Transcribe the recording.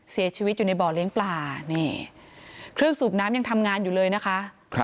เสียชีวิตอยู่ในบ่อเลี้ยงปลานี่เครื่องสูบน้ำยังทำงานอยู่เลยนะคะ